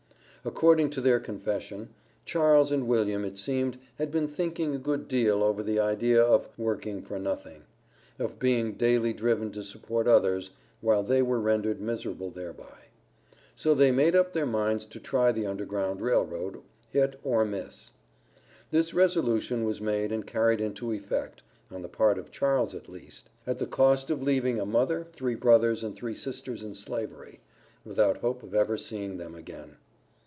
According to their confession, Charles and William it seemed had been thinking a good deal over the idea of "working for nothing," of being daily driven to support others, while they were rendered miserable thereby. So they made up their minds to try the Underground Rail Road, "hit or miss." This resolution was made and carried into effect (on the part of Charles at least), at the cost of leaving a mother, three brothers, and three sisters in Slavery, without hope of ever seeing them again.